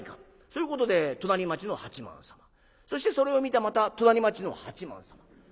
そういうことで隣町の八幡様そしてそれを見たまた隣町の八幡様。